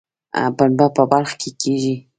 پنبه په بلخ کې کیږي